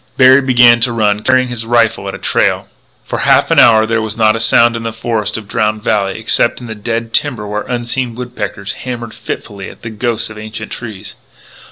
Berry began to run, carrying his rifle at a trail. For half an hour there was not a sound in the forests of Drowned Valley except in the dead timber where unseen woodpeckers hammered fitfully at the ghosts of ancient trees.